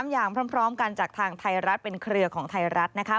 อย่างพร้อมกันจากทางไทยรัฐเป็นเครือของไทยรัฐนะคะ